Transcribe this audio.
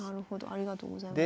ありがとうございます。